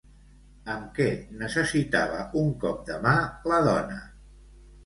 Amb què necessitava un cop de mà la dona?